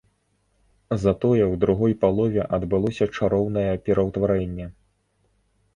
Затое ў другой палове адбылося чароўнае пераўтварэнне.